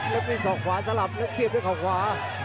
เพชรวีโวสอกขวาสลับแล้วเคลียร์เพชรของขวา